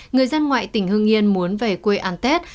người dân ngoại tỉnh hương yên muốn về quê ăn tết